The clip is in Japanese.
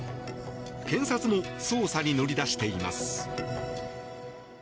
検察も捜査に乗り出しています。